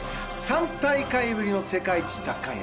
３大会ぶりの世界一奪還へ。